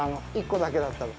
１個だけだったら。